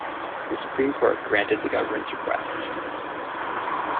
The Supreme Court granted the government's request.